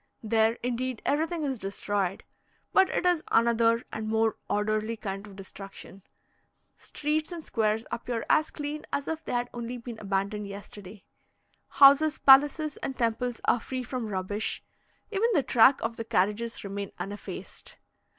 There, indeed, everything is destroyed, but it is another and more orderly kind of destruction streets and squares appear as clean as if they had only been abandoned yesterday. Houses, palaces, and temples are free from rubbish; even the track of the carriages remain uneffaced.